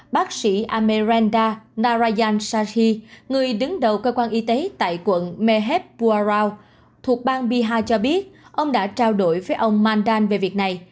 bác sĩ amerenda narayan shahi người đứng đầu cơ quan y tế tại quận meheb purao thuộc bang bihar cho biết ông đã trao đổi với ông mandan về việc này